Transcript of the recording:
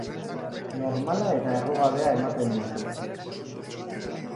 Normala eta errugabea ematen duzu.